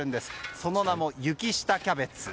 その名も雪下キャベツ。